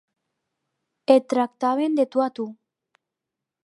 Et tractaven de tu a tu.